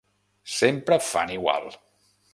Sempre fan igual!